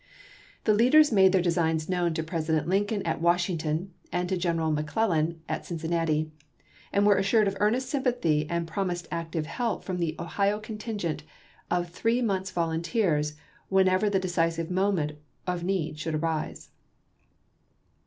The leaders made their designs known to President Lincoln at Washing ton and to General McClellan at Cincinnati, and 330 ABKAHAM LINCOLN Chap. XIX. Were assured of earnest sympathy and promised active help from the Ohio contingent of three months' volunteers whenever the decisive moment of need should arrive.